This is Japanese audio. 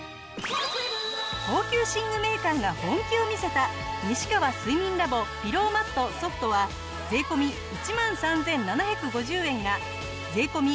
高級寝具メーカーが本気を見せた西川睡眠ＬａｂｏピローマットＳｏｆｔは税込１万３７５０円が税込９８００円。